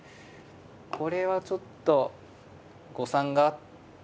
これはちょっと誤算があったかな。